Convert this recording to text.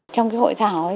trong cái hội thảo ấy